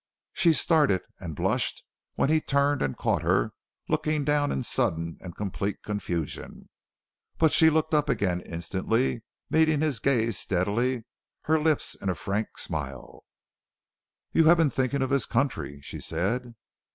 She started and blushed when he turned and caught her, looking down in sudden and complete confusion. But she looked up again instantly, meeting his gaze steadily, her lips in a frank smile. "You have been thinking of this country," she said.